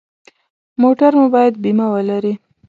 موټر مو باید بیمه ولري.